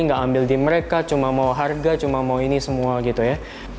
nggak ambil di mereka cuma mau harga cuma mau ini semua gitu ya